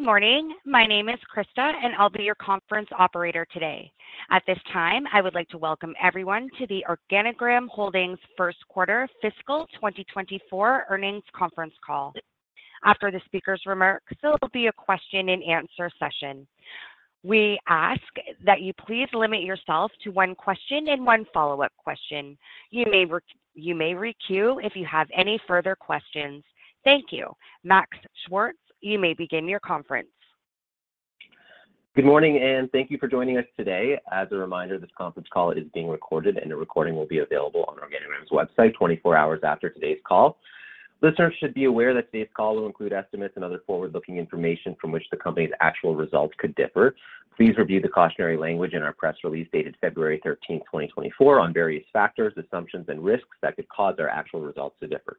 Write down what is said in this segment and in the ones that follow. Good morning. My name is Krista, and I'll be your conference operator today. At this time, I would like to welcome everyone to the Organigram Holdings First Quarter Fiscal 2024 Earnings Conference Call. After the speaker's remarks, there will be a question and answer session. We ask that you please limit yourself to one question and one follow-up question. You may requeue if you have any further questions. Thank you. Max Schwartz, you may begin your conference. Good morning, and thank you for joining us today. As a reminder, this conference call is being recorded, and a recording will be available on Organigram's website 24 hours after today's call. Listeners should be aware that today's call will include estimates and other forward-looking information from which the company's actual results could differ. Please review the cautionary language in our press release, dated February 13, 2024, on various factors, assumptions, and risks that could cause our actual results to differ.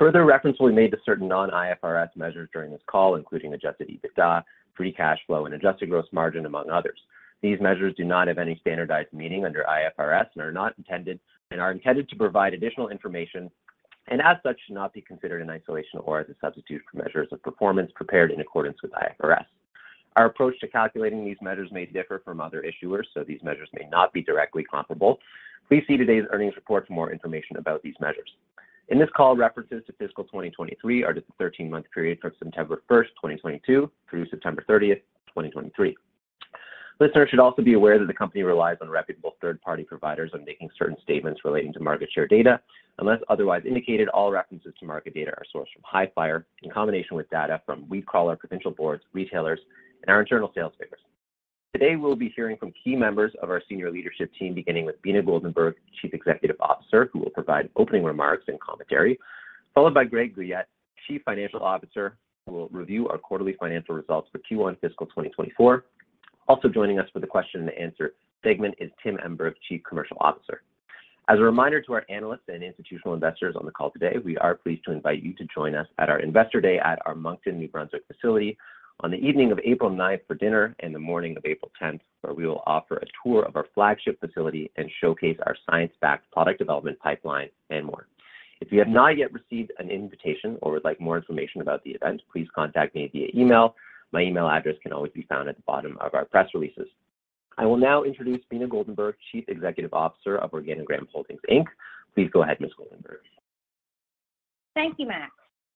Further reference will be made to certain non-IFRS measures during this call, including adjusted EBITDA, free cash flow, and adjusted gross margin, among others. These measures do not have any standardized meaning under IFRS and are intended to provide additional information, and as such, should not be considered in isolation or as a substitute for measures of performance prepared in accordance with IFRS. Our approach to calculating these measures may differ from other issuers, so these measures may not be directly comparable. Please see today's earnings report for more information about these measures. In this call, references to fiscal 2023 are to the 13-month period from September 1st, 2022, through September 30th, 2023. Listeners should also be aware that the company relies on reputable third-party providers on making certain statements relating to market share data. Unless otherwise indicated, all references to market data are sourced from Hifyre in combination with data from WeedCrawler, provincial boards, retailers, and our internal sales figures. Today, we'll be hearing from key members of our senior leadership team, beginning with Beena Goldenberg, Chief Executive Officer, who will provide opening remarks and commentary, followed by Greg Guyatt, Chief Financial Officer, who will review our quarterly financial results for Q1 fiscal 2024. Also joining us for the question and answer segment is Tim Emberg, Chief Commercial Officer. As a reminder to our analysts and institutional investors on the call today, we are pleased to invite you to join us at our Investor Day at our Moncton, New Brunswick facility on the evening of April 9th for dinner and the morning of April 10th, where we will offer a tour of our flagship facility and showcase our science-backed product development pipeline and more. If you have not yet received an invitation or would like more information about the event, please contact me via email. My email address can always be found at the bottom of our press releases. I will now introduce Beena Goldenberg, Chief Executive Officer of Organigram Holdings, Inc. Please go ahead, Ms. Goldenberg. Thank you, Max.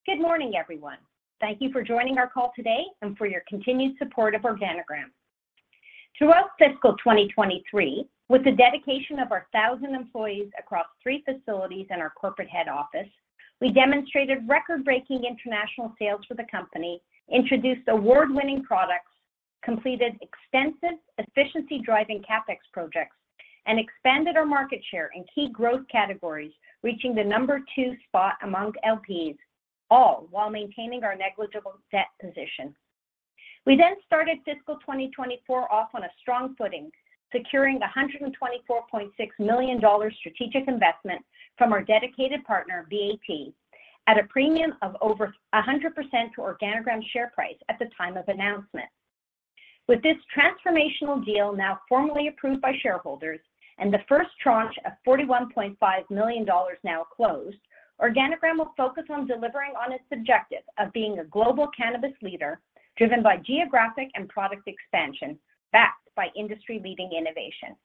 Good morning, everyone. Thank you for joining our call today and for your continued support of Organigram. Throughout fiscal 2023, with the dedication of our 1,000 employees across three facilities and our corporate head office, we demonstrated record-breaking international sales for the company, introduced award-winning products, completed extensive efficiency-driving CapEx projects, and expanded our market share in key growth categories, reaching the number two spot among LPs, all while maintaining our negligible debt position. We then started fiscal 2024 off on a strong footing, securing the 124.6 million dollars strategic investment from our dedicated partner, BAT, at a premium of over 100% to Organigram's share price at the time of announcement. With this transformational deal now formally approved by shareholders and the first tranche of 41.5 million dollars now closed, Organigram will focus on delivering on its objective of being a global cannabis leader, driven by geographic and product expansion, backed by industry-leading innovation.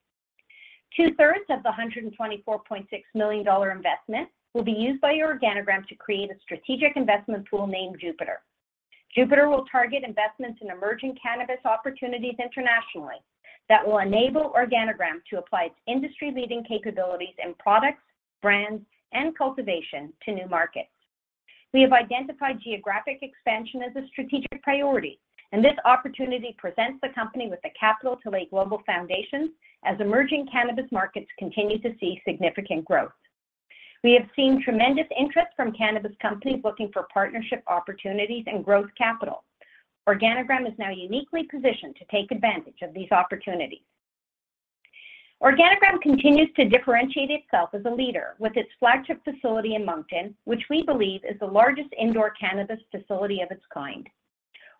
Two-thirds of the 124.6 million dollar investment will be used by Organigram to create a strategic investment pool named Jupiter. Jupiter will target investments in emerging cannabis opportunities internationally that will enable Organigram to apply its industry-leading capabilities in products, brands, and cultivation to new markets. We have identified geographic expansion as a strategic priority, and this opportunity presents the company with the capital to lay global foundations as emerging cannabis markets continue to see significant growth. We have seen tremendous interest from cannabis companies looking for partnership opportunities and growth capital. Organigram is now uniquely positioned to take advantage of these opportunities. Organigram continues to differentiate itself as a leader with its flagship facility in Moncton, which we believe is the largest indoor cannabis facility of its kind.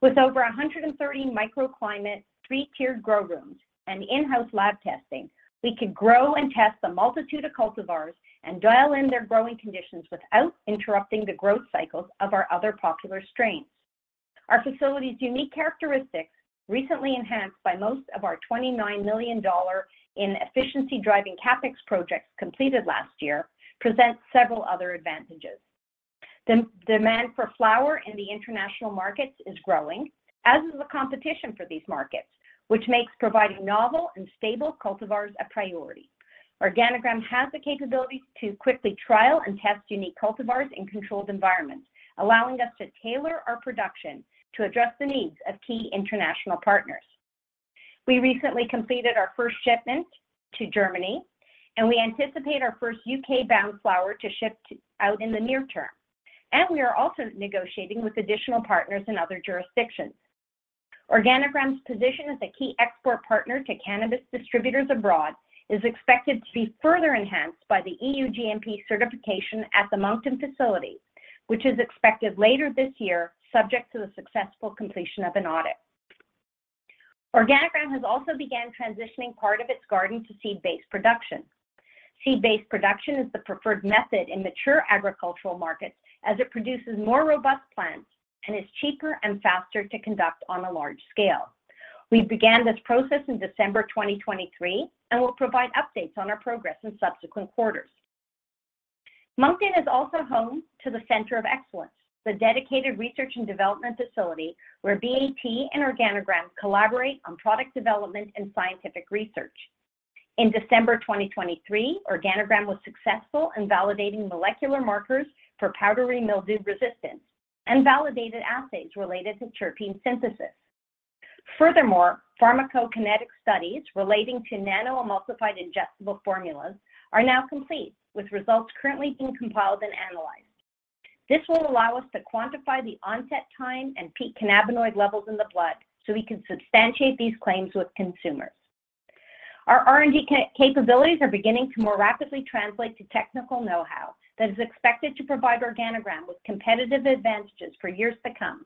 With over 130 microclimates, three-tiered grow rooms, and in-house lab testing, we could grow and test a multitude of cultivars and dial in their growing conditions without interrupting the growth cycles of our other popular strains. Our facility's unique characteristics, recently enhanced by most of our 29 million dollar in efficiency-driving CapEx projects completed last year, present several other advantages. The demand for flower in the international markets is growing, as is the competition for these markets, which makes providing novel and stable cultivars a priority. Organigram has the capabilities to quickly trial and test unique cultivars in controlled environments, allowing us to tailor our production to address the needs of key international partners. We recently completed our first shipment to Germany, and we anticipate our first U.K.-bound flower to ship out in the near term, and we are also negotiating with additional partners in other jurisdictions. Organigram's position as a key export partner to cannabis distributors abroad is expected to be further enhanced by the EU GMP certification at the Moncton facility, which is expected later this year, subject to the successful completion of an audit. Organigram has also began transitioning part of its garden to seed-based production. Seed-based production is the preferred method in mature agricultural markets, as it produces more robust plants and is cheaper and faster to conduct on a large scale. We began this process in December 2023, and we'll provide updates on our progress in subsequent quarters. Moncton is also home to the Centre of Excellence, the dedicated research and development facility where BAT and Organigram collaborate on product development and scientific research. In December 2023, Organigram was successful in validating molecular markers for powdery mildew resistance and validated assays related to terpene synthesis. Furthermore, pharmacokinetic studies relating to nano-emulsified ingestible formulas are now complete, with results currently being compiled and analyzed. This will allow us to quantify the onset time and peak cannabinoid levels in the blood, so we can substantiate these claims with consumers. Our R&D capabilities are beginning to more rapidly translate to technical know-how, that is expected to provide Organigram with competitive advantages for years to come.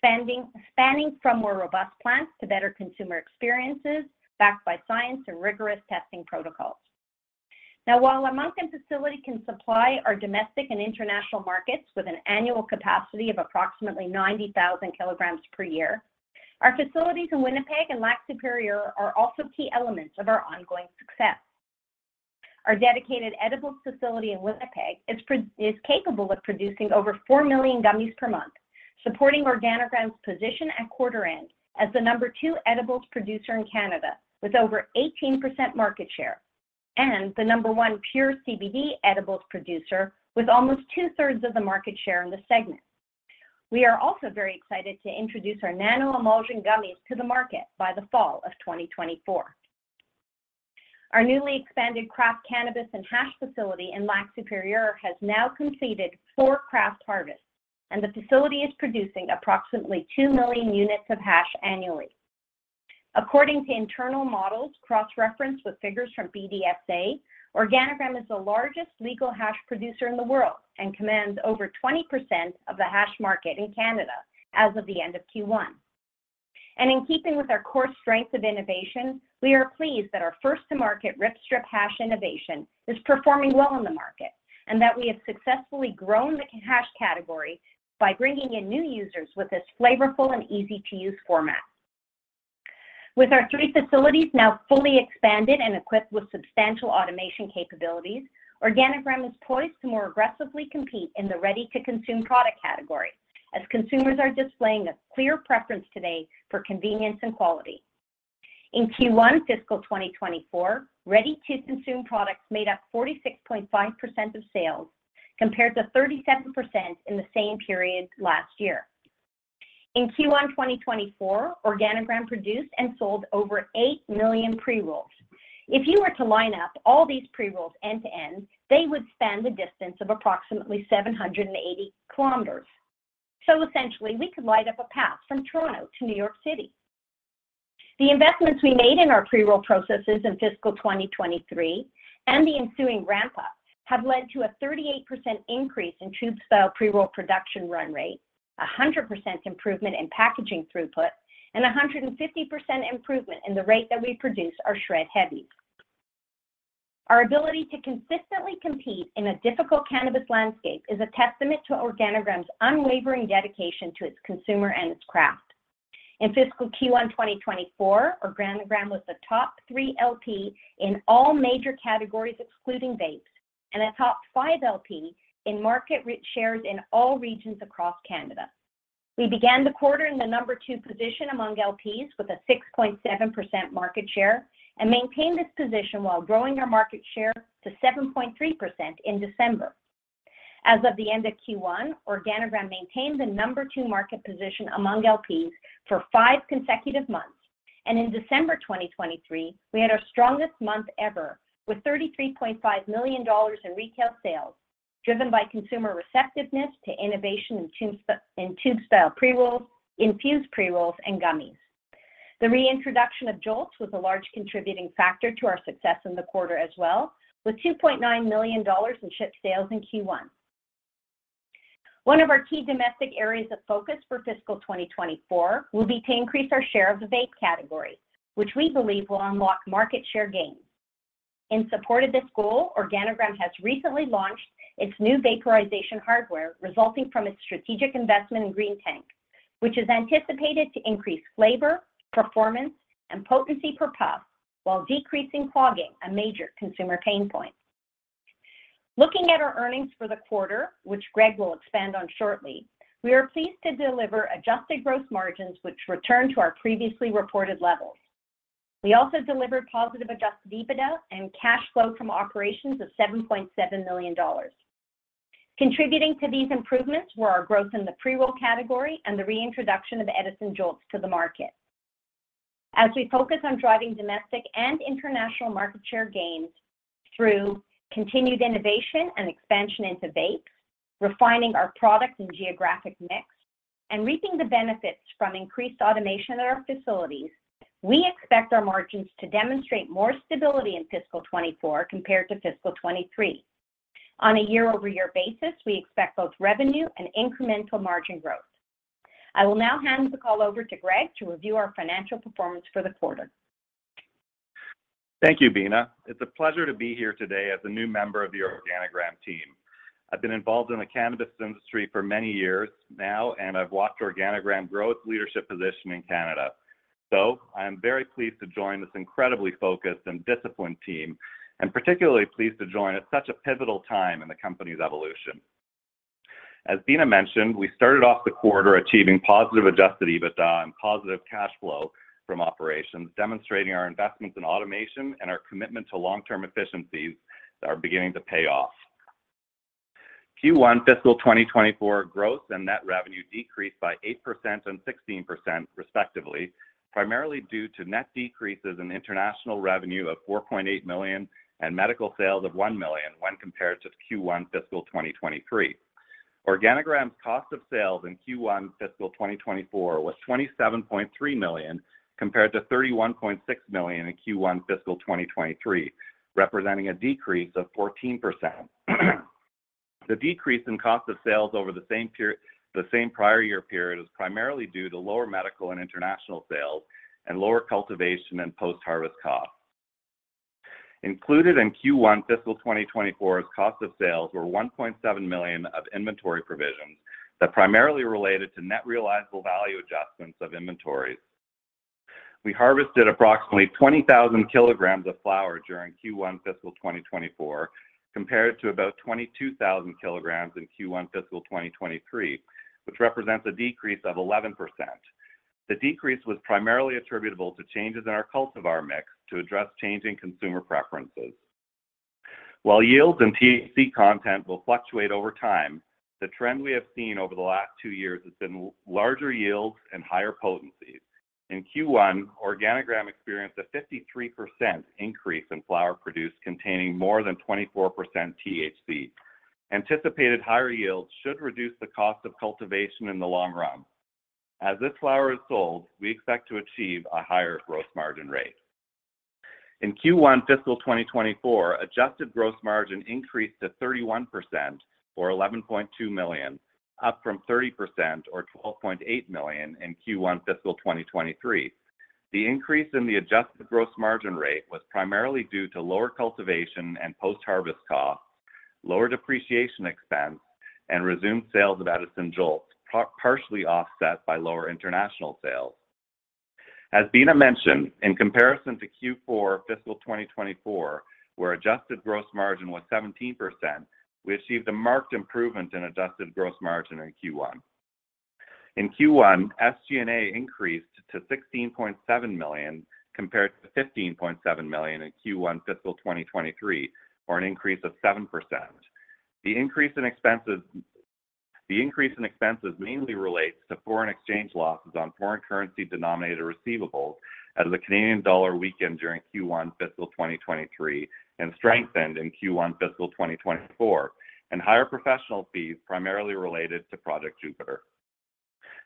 Spanning from more robust plants to better consumer experiences, backed by science and rigorous testing protocols. Now, while our Moncton facility can supply our domestic and international markets with an annual capacity of approximately 90,000 kg per year, our facilities in Winnipeg and Lac-Supérieur are also key elements of our ongoing success. Our dedicated edibles facility in Winnipeg is capable of producing over 4 million gummies per month, supporting Organigram's position at quarter end as the number two edibles producer in Canada, with over 18% market share, and the number one pure CBD edibles producer, with almost 2/3 of the market share in the segment. We are also very excited to introduce our nano-emulsion gummies to the market by the fall of 2024. Our newly expanded craft cannabis and hash facility in Lac-Supérieur has now completed four craft harvests, and the facility is producing approximately 2 million units of hash annually. According to internal models, cross-referenced with figures from BDSA, Organigram is the largest legal hash producer in the world and commands over 20% of the hash market in Canada as of the end of Q1. In keeping with our core strength of innovation, we are pleased that our first-to-market Rip-Strip hash innovation is performing well in the market, and that we have successfully grown the hash category by bringing in new users with this flavorful and easy-to-use format. With our three facilities now fully expanded and equipped with substantial automation capabilities, Organigram is poised to more aggressively compete in the ready-to-consume product category, as consumers are displaying a clear preference today for convenience and quality. In Q1 fiscal 2024, ready-to-consume products made up 46.5% of sales, compared to 37% in the same period last year. In Q1 2024, Organigram produced and sold over 8 million pre-rolls. If you were to line up all these pre-rolls end to end, they would span the distance of approximately 780 km. So essentially, we could light up a path from Toronto to New York City. The investments we made in our pre-roll processes in fiscal 2023, and the ensuing ramp-up, have led to a 38% increase in tube-style pre-roll production run rate, a 100% improvement in packaging throughput, and a 150% improvement in the rate that we produce our SHRED Heavies. Our ability to consistently compete in a difficult cannabis landscape is a testament to Organigram's unwavering dedication to its consumer and its craft. In fiscal Q1 2024, Organigram was the top 3 LP in all major categories, excluding vapes, and a top 5 LP in market shares in all regions across Canada. We began the quarter in the number 2 position among LPs, with a 6.7% market share, and maintained this position while growing our market share to 7.3% in December. As of the end of Q1, Organigram maintained the number 2 market position among LPs for 5 consecutive months, and in December 2023, we had our strongest month ever, with 33.5 million dollars in retail sales, driven by consumer receptiveness to innovation in tube-style pre-rolls, infused pre-rolls, and gummies. The reintroduction of Jolts was a large contributing factor to our success in the quarter as well, with 2.9 million dollars in shipped sales in Q1. One of our key domestic areas of focus for fiscal 2024 will be to increase our share of the vape category, which we believe will unlock market share gains. In support of this goal, Organigram has recently launched its new vaporization hardware, resulting from its strategic investment in Greentank, which is anticipated to increase flavor, performance, and potency per puff, while decreasing clogging, a major consumer pain point. Looking at our earnings for the quarter, which Greg will expand on shortly, we are pleased to deliver adjusted gross margins, which return to our previously reported levels. We also delivered positive adjusted EBITDA and cash flow from operations of 7.7 million dollars. Contributing to these improvements were our growth in the pre-roll category and the reintroduction of Edison Jolts to the market. As we focus on driving domestic and international market share gains through continued innovation and expansion into vapes, refining our product and geographic mix, and reaping the benefits from increased automation at our facilities, we expect our margins to demonstrate more stability in fiscal 2024 compared to fiscal 2023. On a year-over-year basis, we expect both revenue and incremental margin growth. I will now hand the call over to Greg to review our financial performance for the quarter. Thank you, Beena. It's a pleasure to be here today as a new member of the Organigram team. I've been involved in the cannabis industry for many years now, and I've watched Organigram grow its leadership position in Canada. So I am very pleased to join this incredibly focused and disciplined team, and particularly pleased to join at such a pivotal time in the company's evolution. As Beena mentioned, we started off the quarter achieving positive Adjusted EBITDA and positive cash flow from operations, demonstrating our investments in automation and our commitment to long-term efficiencies are beginning to pay off. Q1 fiscal 2024 growth and net revenue decreased by 8% and 16% respectively, primarily due to net decreases in international revenue of 4.8 million and medical sales of 1 million when compared to Q1 fiscal 2023. Organigram's cost of sales in Q1 fiscal 2024 was 27.3 million, compared to 31.6 million in Q1 fiscal 2023, representing a decrease of 14%. The decrease in cost of sales over the same prior year period is primarily due to lower medical and international sales and lower cultivation and post-harvest costs. Included in Q1 fiscal 2024's cost of sales were 1.7 million of inventory provisions that primarily related to net realizable value adjustments of inventories. We harvested approximately 20,000 kilograms of flower during Q1 fiscal 2024, compared to about 22,000 kilograms in Q1 fiscal 2023, which represents a decrease of 11%. The decrease was primarily attributable to changes in our cultivar mix to address changing consumer preferences. While yields and THC content will fluctuate over time, the trend we have seen over the last two years has been larger yields and higher potencies. In Q1, Organigram experienced a 53% increase in flower produce containing more than 24% THC. Anticipated higher yields should reduce the cost of cultivation in the long run. As this flower is sold, we expect to achieve a higher growth margin rate. In Q1 fiscal 2024, adjusted gross margin increased to 31% or 11.2 million, up from 30% or 12.8 million in Q1 fiscal 2023. The increase in the adjusted gross margin rate was primarily due to lower cultivation and post-harvest costs, lower depreciation expense, and resumed sales of Edison Jolt, partially offset by lower international sales. As Beena mentioned, in comparison to Q4 fiscal 2024, where adjusted gross margin was 17%, we achieved a marked improvement in adjusted gross margin in Q1. In Q1, SG&A increased to 16.7 million, compared to 15.7 million in Q1 fiscal 2023, or an increase of 7%. The increase in expenses mainly relates to foreign exchange losses on foreign currency denominated receivables as the Canadian dollar weakened during Q1 fiscal 2023 and strengthened in Q1 fiscal 2024, and higher professional fees primarily related to Project Jupiter.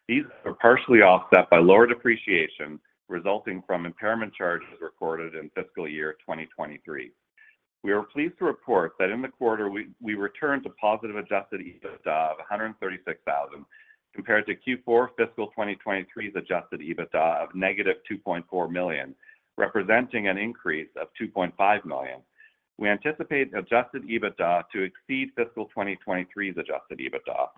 These are partially offset by lower depreciation resulting from impairment charges recorded in fiscal year 2023. We are pleased to report that in the quarter, we returned to positive adjusted EBITDA of 136 thousand, compared to Q4 fiscal 2023's adjusted EBITDA of -2.4 million, representing an increase of 2.5 million. We anticipate adjusted EBITDA to exceed fiscal 2023's adjusted EBITDA.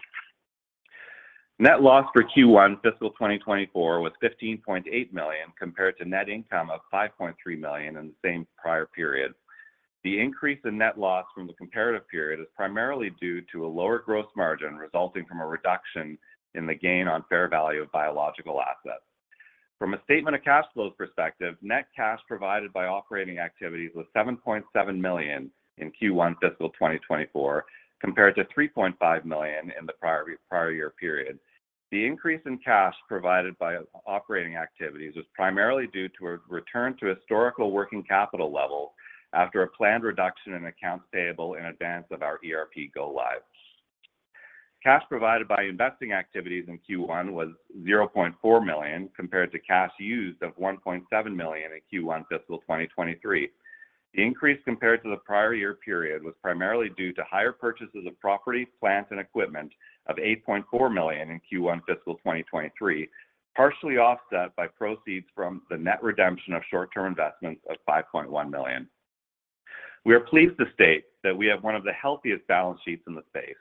Net loss for Q1 fiscal 2024 was 15.8 million, compared to net income of 5.3 million in the same prior period. The increase in net loss from the comparative period is primarily due to a lower gross margin, resulting from a reduction in the gain on fair value of biological assets. From a statement of cash flow perspective, net cash provided by operating activities was 7.7 million in Q1 fiscal 2024, compared to 3.5 million in the prior year period. The increase in cash provided by operating activities was primarily due to a return to historical working capital levels after a planned reduction in accounts payable in advance of our ERP go-live. Cash provided by investing activities in Q1 was 0.4 million, compared to cash used of 1.7 million in Q1 fiscal 2023. The increase compared to the prior year period was primarily due to higher purchases of property, plant, and equipment of 8.4 million in Q1 fiscal 2023, partially offset by proceeds from the net redemption of short-term investments of 5.1 million. We are pleased to state that we have one of the healthiest balance sheets in the space.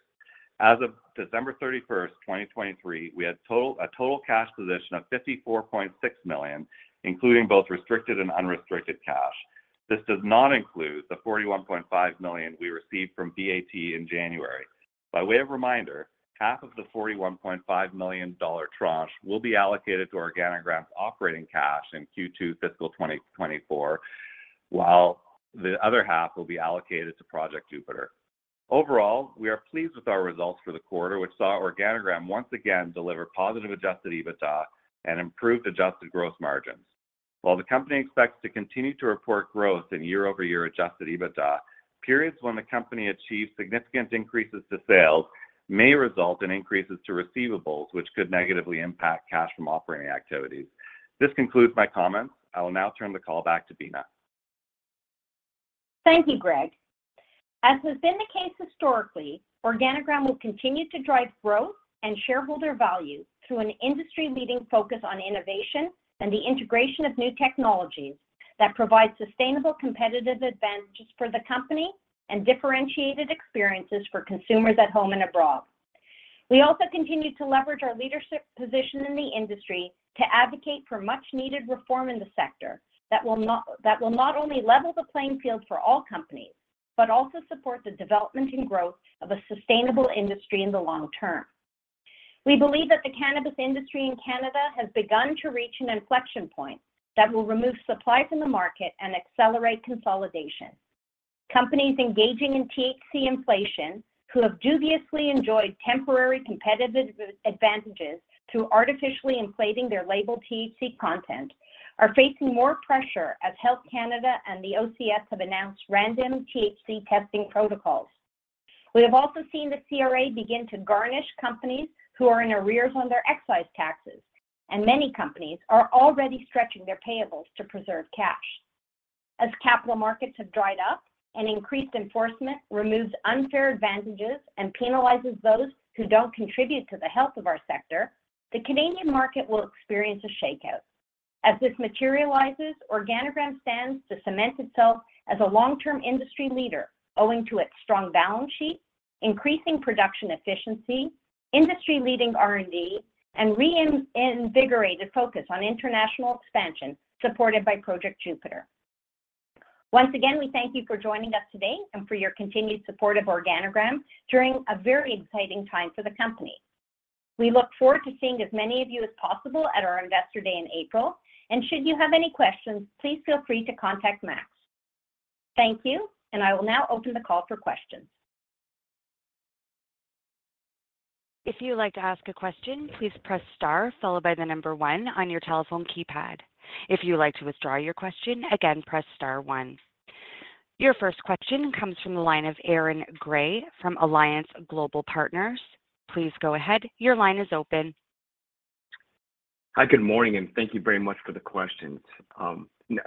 As of December 31, 2023, we had a total cash position of 54.6 million, including both restricted and unrestricted cash. This does not include the $41.5 million we received from BAT in January. By way of reminder, half of the $41.5 million dollar tranche will be allocated to Organigram's operating cash in Q2 fiscal 2024, while the other half will be allocated to Project Jupiter. Overall, we are pleased with our results for the quarter, which saw Organigram once again deliver positive adjusted EBITDA and improved adjusted gross margins. While the company expects to continue to report growth in year-over-year adjusted EBITDA, periods when the company achieves significant increases to sales may result in increases to receivables, which could negatively impact cash from operating activities. This concludes my comments. I will now turn the call back to Beena. Thank you, Greg. As has been the case historically, Organigram will continue to drive growth and shareholder value through an industry-leading focus on innovation and the integration of new technologies that provide sustainable competitive advantages for the company and differentiated experiences for consumers at home and abroad. We also continue to leverage our leadership position in the industry to advocate for much-needed reform in the sector that will not, that will not only level the playing field for all companies, but also support the development and growth of a sustainable industry in the long term. We believe that the cannabis industry in Canada has begun to reach an inflection point that will remove supply from the market and accelerate consolidation. Companies engaging in THC inflation, who have dubiously enjoyed temporary competitive advantages through artificially inflating their label THC content, are facing more pressure as Health Canada and the OCS have announced random THC testing protocols. We have also seen the CRA begin to garnish companies who are in arrears on their excise taxes, and many companies are already stretching their payables to preserve cash. As capital markets have dried up and increased enforcement removes unfair advantages and penalizes those who don't contribute to the health of our sector, the Canadian market will experience a shakeout. As this materializes, Organigram stands to cement itself as a long-term industry leader, owing to its strong balance sheet, increasing production efficiency, industry-leading R&D, and reinvigorated focus on international expansion, supported by Project Jupiter. Once again, we thank you for joining us today and for your continued support of Organigram during a very exciting time for the company. We look forward to seeing as many of you as possible at our Investor Day in April, and should you have any questions, please feel free to contact Max. Thank you, and I will now open the call for questions. If you would like to ask a question, please press star, followed by the number one on your telephone keypad. If you would like to withdraw your question, again, press star one. Your first question comes from the line of Aaron Grey from Alliance Global Partners. Please go ahead. Your line is open. Hi, good morning, and thank you very much for the questions.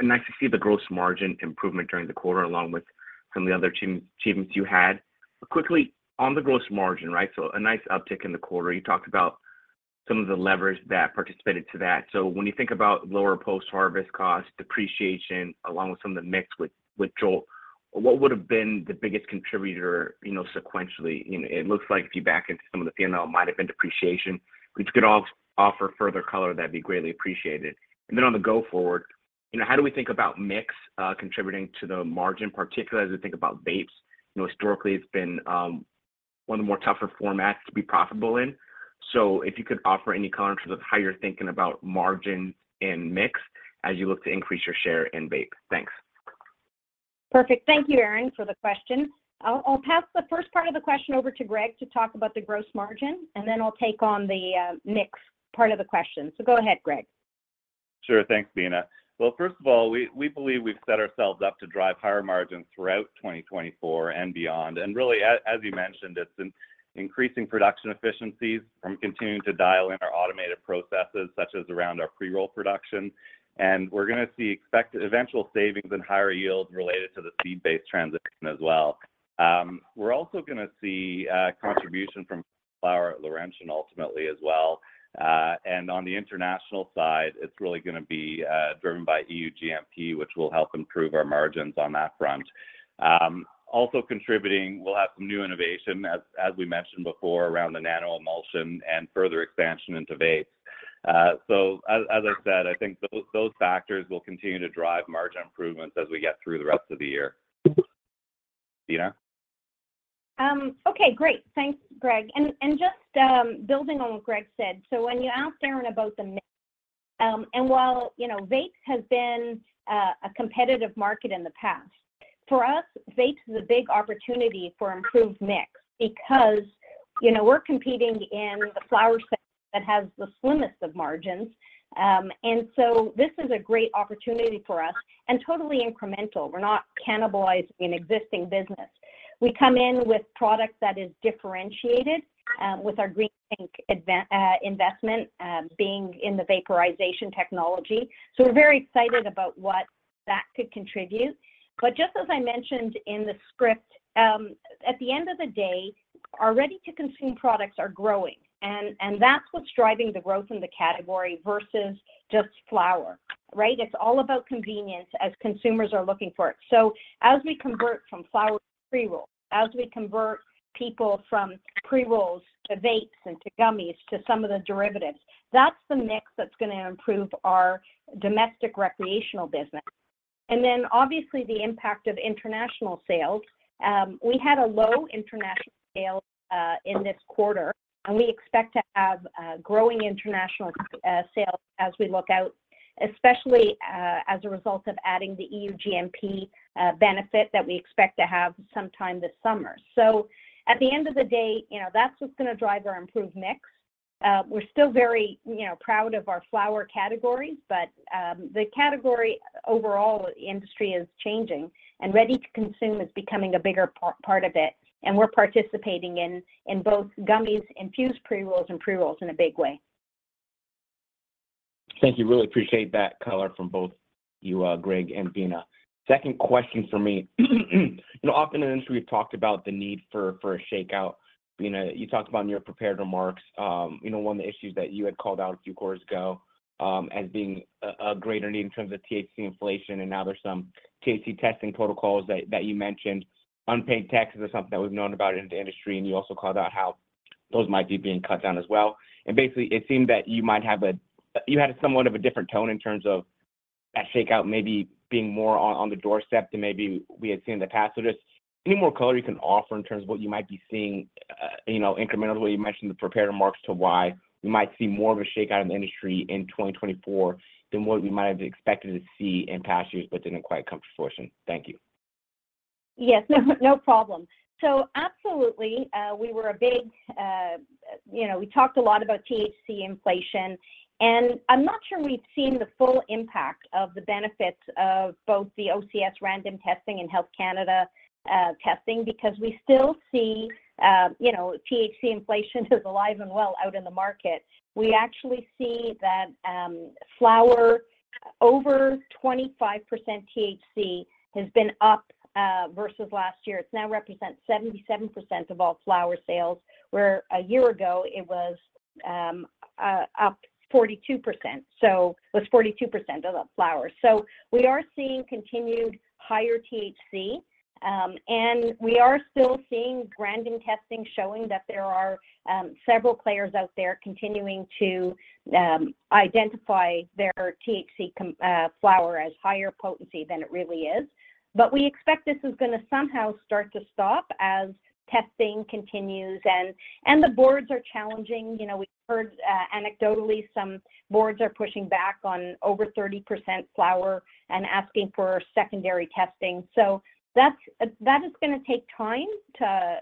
Nice to see the gross margin improvement during the quarter, along with some of the other achievements you had. Quickly, on the gross margin, right, so a nice uptick in the quarter. You talked about some of the levers that participated to that. So when you think about lower post-harvest costs, depreciation, along with some of the mix with Jolts, what would have been the biggest contributor, you know, sequentially? You know, it looks like if you back into some of the P&L, it might have been depreciation, but if you could offer further color, that'd be greatly appreciated. And then on the go forward, you know, how do we think about mix contributing to the margin, particularly as we think about vapes? You know, historically, it's been one of the more tougher formats to be profitable in. So if you could offer any comments with how you're thinking about margin and mix as you look to increase your share in vape? Thanks. Perfect. Thank you, Aaron, for the question. I'll pass the first part of the question over to Greg to talk about the gross margin, and then I'll take on the mix part of the question. So go ahead, Greg. Sure. Thanks, Beena. Well, first of all, we believe we've set ourselves up to drive higher margins throughout 2024 and beyond. And really, as you mentioned, it's an increasing production efficiencies from continuing to dial in our automated processes, such as around our pre-roll production. And we're gonna see eventual savings and higher yields related to the seed-based transition as well. We're also gonna see contribution from flower at Laurentian, ultimately, as well. And on the international side, it's really gonna be driven by EU GMP, which will help improve our margins on that front. Also contributing, we'll have some new innovation, as we mentioned before, around the nanoemulsion and further expansion into vapes. So as I said, I think those factors will continue to drive margin improvements as we get through the rest of the year. Beena? Okay, great. Thanks, Greg. And just building on what Greg said, so when you asked Aaron about the mix, and while, you know, vapes has been a competitive market in the past, for us, vapes is a big opportunity for improved mix because, you know, we're competing in the flower space that has the slimmest of margins. And so this is a great opportunity for us and totally incremental. We're not cannibalizing an existing business. We come in with products that is differentiated with our Greentank investment being in the vaporization technology. So we're very excited about what that could contribute. But just as I mentioned in the script, at the end of the day, our ready-to-consume products are growing, and that's what's driving the growth in the category versus just flower, right? It's all about convenience as consumers are looking for it. So as we convert from flower to pre-roll, as we convert people from pre-rolls to vapes and to gummies, to some of the derivatives, that's the mix that's gonna improve our domestic recreational business. And then, obviously, the impact of international sales. We had a low international sale in this quarter, and we expect to have growing international sales as we look out, especially as a result of adding the EU GMP benefit that we expect to have sometime this summer. So at the end of the day, you know, that's what's gonna drive our improved mix. We're still very, you know, proud of our flower category, but the category overall, the industry is changing, and ready to consume is becoming a bigger part of it, and we're participating in both gummies, infused pre-rolls, and pre-rolls in a big way. Thank you. Really appreciate that color from both you, Greg and Beena. Second question for me, you know, often in industry, we've talked about the need for a shakeout. Beena, you talked about in your prepared remarks, you know, one of the issues that you had called out a few quarters ago, as being a greater need in terms of THC inflation, and now there's some THC testing protocols that you mentioned. Unpaid taxes are something that we've known about in the industry, and you also called out how those might be being cut down as well. And basically, it seemed that you might have a, you had a somewhat of a different tone in terms of that shakeout maybe being more on the doorstep than maybe we had seen in the past. So, just any more color you can offer in terms of what you might be seeing, you know, incrementally. You mentioned the prepared remarks to why we might see more of a shakeout in the industry in 2024 than what we might have expected to see in past years but didn't quite come to fruition. Thank you. Yes, no problem. So absolutely, we were a big, you know, we talked a lot about THC inflation, and I'm not sure we've seen the full impact of the benefits of both the OCS random testing and Health Canada testing, because we still see, you know, THC inflation is alive and well out in the market. We actually see that, flower over 25% THC has been up versus last year. It now represents 77% of all flower sales, where a year ago, it was up 42%. So it was 42% of the flowers. So we are seeing continued higher THC, and we are still seeing random testing showing that there are several players out there continuing to identify their THC flower as higher potency than it really is. But we expect this is gonna somehow start to stop as testing continues and the boards are challenging. You know, we've heard anecdotally some boards are pushing back on over 30% flower and asking for secondary testing. So that's that is gonna take time to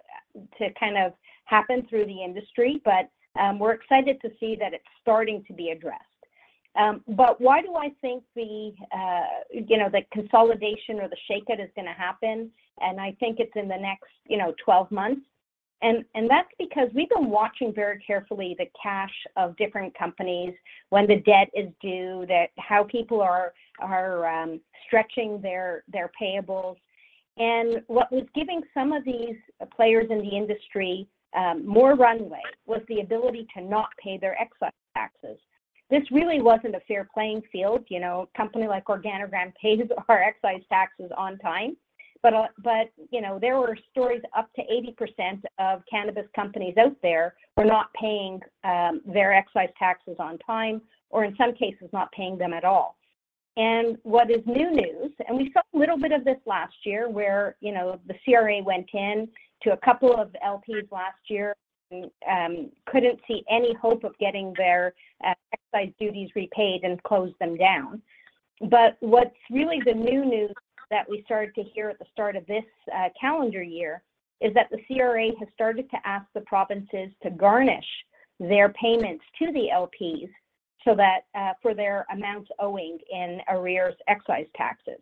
to kind of happen through the industry, but we're excited to see that it's starting to be addressed. But why do I think the you know, the consolidation or the shakeout is gonna happen? And I think it's in the next 12 months, and that's because we've been watching very carefully the cash of different companies, when the debt is due, that how people are stretching their payables. And what was giving some of these players in the industry more runway, was the ability to not pay their excise taxes. This really wasn't a fair playing field, you know. A company like Organigram paid our excise taxes on time, but, but, you know, there were stories up to 80% of cannabis companies out there were not paying, their excise taxes on time, or in some cases, not paying them at all. And what is new news, and we saw a little bit of this last year, where, you know, the CRA went in to a couple of LPs last year, couldn't see any hope of getting their, excise duties repaid and closed them down. But what's really the new news that we started to hear at the start of this, calendar year is that the CRA has started to ask the provinces to garnish their payments to the LPs so that, for their amounts owing in arrears excise taxes.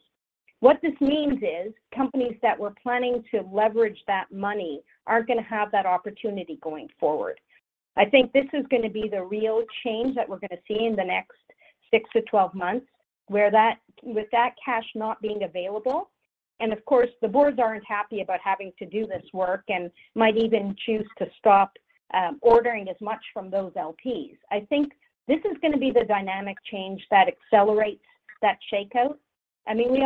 What this means is, companies that were planning to leverage that money aren't gonna have that opportunity going forward. I think this is gonna be the real change that we're gonna see in the next 6-12 months, where that, with that cash not being available, and of course, the boards aren't happy about having to do this work and might even choose to stop ordering as much from those LPs. I think this is gonna be the dynamic change that accelerates that shakeout. I mean, we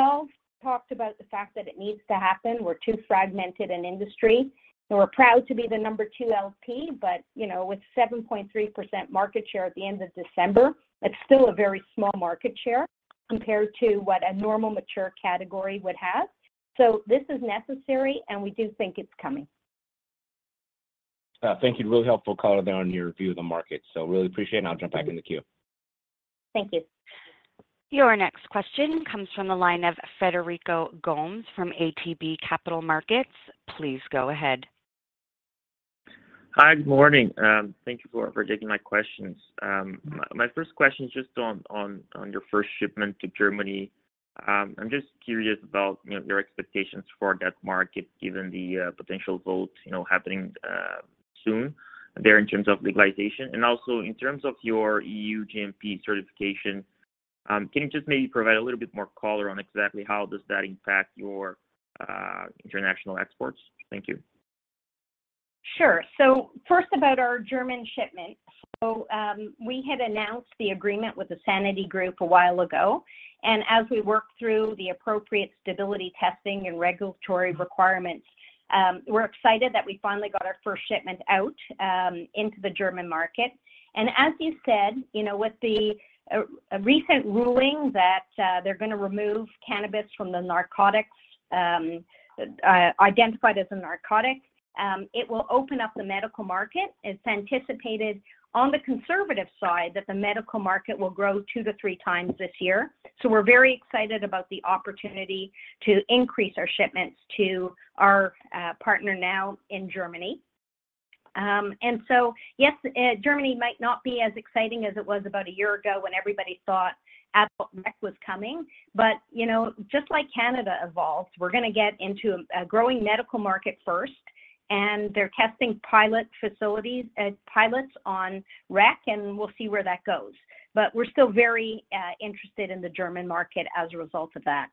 all talked about the fact that it needs to happen. We're too fragmented an industry, and we're proud to be the number 2 LP, but, you know, with 7.3% market share at the end of December, it's still a very small market share compared to what a normal mature category would have. This is necessary, and we do think it's coming. Thank you. Really helpful color there on your view of the market. So really appreciate it, and I'll jump back in the queue. Thank you. Your next question comes from the line of Frederico Gomes from ATB Capital Markets. Please go ahead. Hi, good morning. Thank you for taking my questions. My first question is just on your first shipment to Germany. I'm just curious about, you know, your expectations for that market, given the potential vote, you know, happening soon there in terms of legalization. And also in terms of your EU GMP certification, can you just maybe provide a little bit more color on exactly how does that impact your international exports? Thank you. Sure. So first, about our German shipment. So, we had announced the agreement with the Sanity Group a while ago, and as we work through the appropriate stability testing and regulatory requirements, we're excited that we finally got our first shipment out, into the German market. And as you said, you know, with a recent ruling that, they're gonna remove cannabis from the narcotics identified as a narcotic, it will open up the medical market. It's anticipated on the conservative side, that the medical market will grow 2-3 times this year. So we're very excited about the opportunity to increase our shipments to our partner now in Germany. And so, yes, Germany might not be as exciting as it was about a year ago when everybody thought adult rec was coming, but, you know, just like Canada evolved, we're gonna get into a growing medical market first and they're testing pilot facilities and pilots on rec, and we'll see where that goes. But we're still very interested in the German market as a result of that.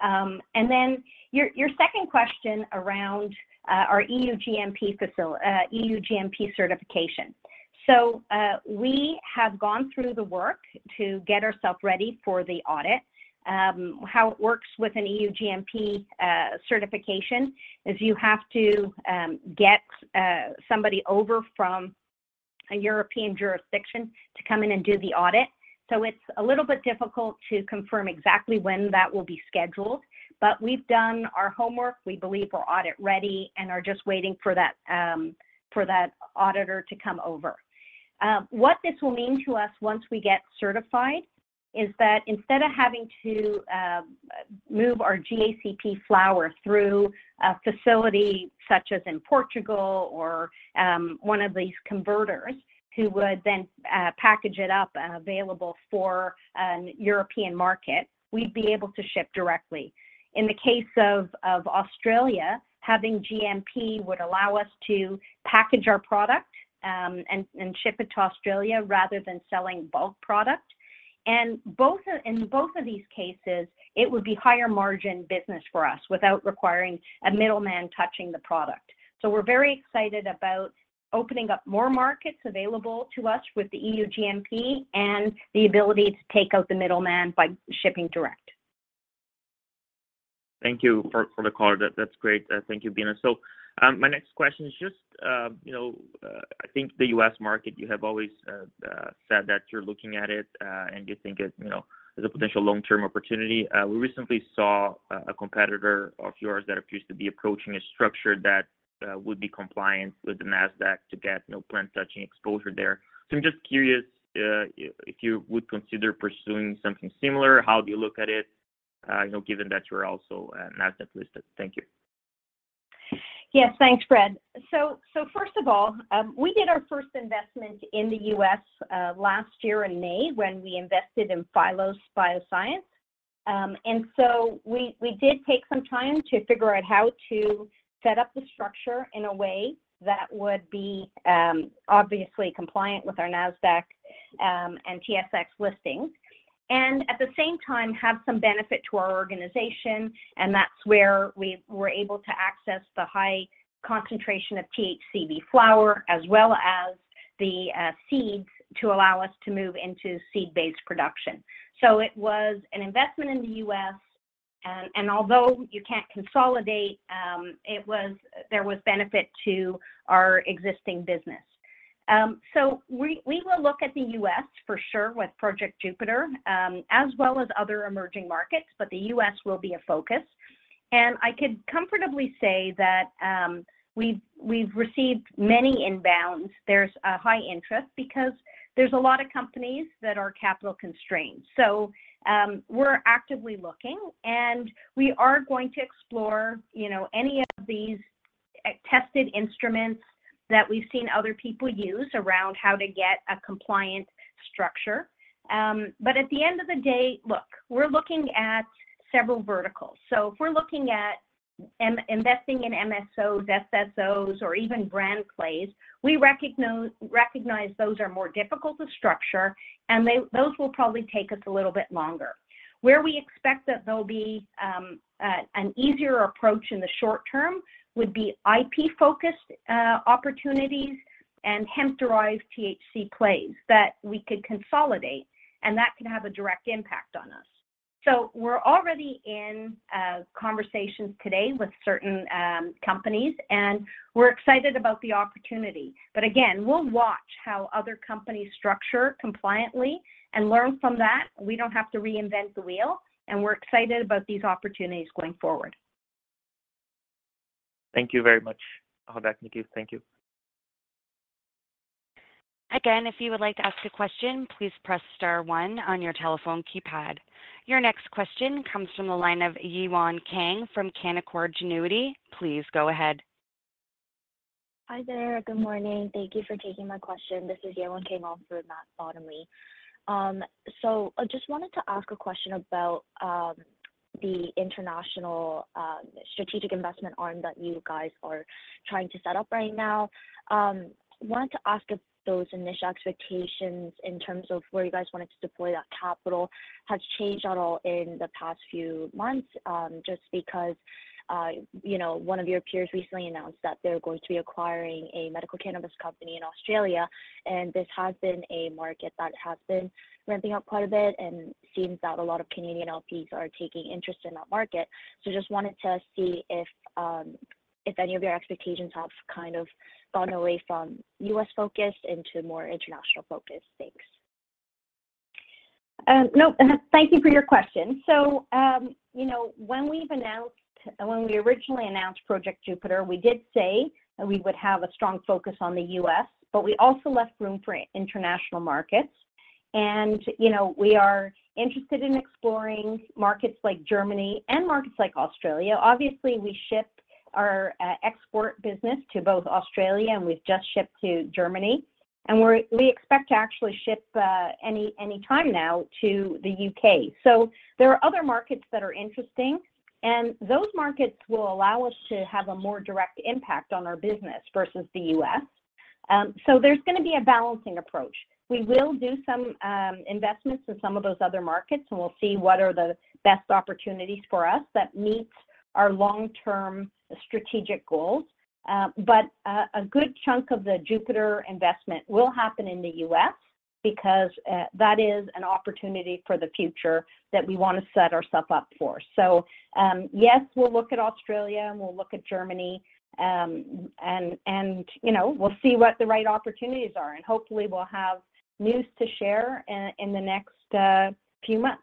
And then your second question around our EU GMP certification. So, we have gone through the work to get ourself ready for the audit. How it works with an EU GMP certification is you have to get somebody over from a European jurisdiction to come in and do the audit. So it's a little bit difficult to confirm exactly when that will be scheduled, but we've done our homework. We believe we're audit ready, and are just waiting for that, for that auditor to come over. What this will mean to us once we get certified is that instead of having to move our GACP flower through a facility such as in Portugal or one of these converters, who would then package it up and available for a European market, we'd be able to ship directly. In the case of Australia, having GMP would allow us to package our product and ship it to Australia, rather than selling bulk product. In both of these cases, it would be higher margin business for us without requiring a middleman touching the product. We're very excited about opening up more markets available to us with the EU GMP, and the ability to take out the middleman by shipping direct. Thank you for the call. That's great. Thank you, Beena. So, my next question is just, you know, I think the US market, you have always said that you're looking at it, and you think it, you know, is a potential long-term opportunity. We recently saw a competitor of yours that appears to be approaching a structure that would be compliant with the Nasdaq to get, you know, plant-touching exposure there. So I'm just curious, if you would consider pursuing something similar? How do you look at it, you know, given that you are also a Nasdaq listed? Thank you. Yes, thanks, Fred. So first of all, we did our first investment in the U.S., last year in May, when we invested in Phylos Bioscience. And so we did take some time to figure out how to set up the structure in a way that would be obviously compliant with our Nasdaq and TSX listings. And at the same time, have some benefit to our organization, and that's where we were able to access the high concentration of THCV flower, as well as the seeds, to allow us to move into seed-based production. So it was an investment in the U.S., and although you can't consolidate, it was, there was benefit to our existing business. So we will look at the U.S. for sure with Project Jupiter, as well as other emerging markets, but the U.S. will be a focus. And I could comfortably say that, we've received many inbounds. There's a high interest, because there's a lot of companies that are capital constrained. So, we're actively looking, and we are going to explore, you know, any of these tested instruments that we've seen other people use around how to get a compliant structure. But at the end of the day, look, we're looking at several verticals. So if we're looking at investing in MSOs, SSOs, or even brand plays, we recognize those are more difficult to structure, and those will probably take us a little bit longer. Where we expect that there'll be, an easier approach in the short term, would be IP-focused, opportunities and hemp-derived THC plays that we could consolidate, and that could have a direct impact on us. So we're already in, conversations today with certain, companies, and we're excited about the opportunity. But again, we'll watch how other companies structure compliantly and learn from that. We don't have to reinvent the wheel, and we're excited about these opportunities going forward. Thank you very much. I'll hop back in the queue. Thank you. Again, if you would like to ask a question, please press star one on your telephone keypad. Your next question comes from the line of Yewon Kang from Canaccord Genuity. Please go ahead. Hi there. Good morning. Thank you for taking my question. This is Yewon Kang off through Matt Bottomley. So I just wanted to ask a question about, the international, strategic investment arm that you guys are trying to set up right now. Wanted to ask if those initial expectations in terms of where you guys wanted to deploy that capital has changed at all in the past few months, just because, you know, one of your peers recently announced that they're going to be acquiring a medical cannabis company in Australia, and this has been a market that has been ramping up quite a bit and seems that a lot of Canadian LPs are taking interest in that market. So just wanted to see if, if any of your expectations have kind of gone away from US focus into more international focus? Thanks. No, thank you for your question. So, you know, when we originally announced Project Jupiter, we did say that we would have a strong focus on the U.S., but we also left room for international markets. And, you know, we are interested in exploring markets like Germany and markets like Australia. Obviously, we ship our export business to both Australia, and we've just shipped to Germany, and we expect to actually ship any time now to the U.K. So there are other markets that are interesting, and those markets will allow us to have a more direct impact on our business versus the U.S. So there's gonna be a balancing approach. We will do some investments in some of those other markets, and we'll see what are the best opportunities for us that meets our long-term strategic goals. A good chunk of the Jupiter investment will happen in the U.S., because that is an opportunity for the future that we want to set ourself up for. So, yes, we'll look at Australia, and we'll look at Germany, and you know, we'll see what the right opportunities are, and hopefully, we'll have news to share in the next few months.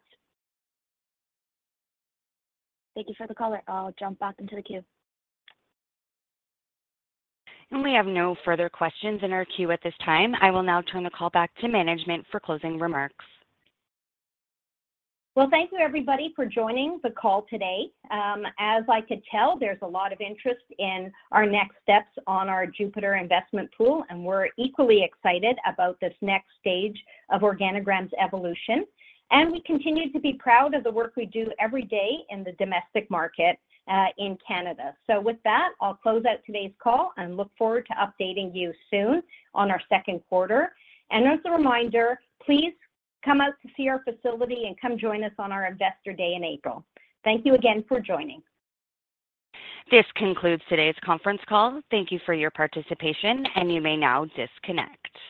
Thank you for the call. I'll jump back into the queue. We have no further questions in our queue at this time. I will now turn the call back to management for closing remarks. Well, thank you, everybody, for joining the call today. As I could tell, there's a lot of interest in our next steps on our Jupiter investment pool, and we're equally excited about this next stage of Organigram's evolution. We continue to be proud of the work we do every day in the domestic market, in Canada. With that, I'll close out today's call and look forward to updating you soon on our second quarter. As a reminder, please come out to see our facility and come join us on our Investor Day in April. Thank you again for joining. This concludes today's conference call. Thank you for your participation, and you may now disconnect.